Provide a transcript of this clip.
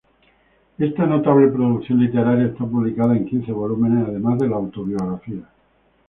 Esta notable producción literaria está publicada en quince volúmenes, además de la "Autobiografía".